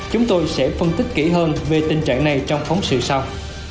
chúng tôi sẽ phân tích kỹ hơn về tình trạng này trong phóng sự sau